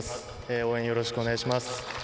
応援よろしくお願いいたします。